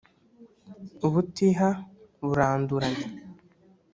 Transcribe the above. Ubutiha buranduranya